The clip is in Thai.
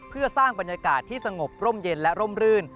เพื่อสร้างบรรยากาศที่สงบร่มเย็นและร่มรื่น